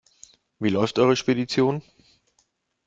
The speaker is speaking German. Wie läuft eure Spedition?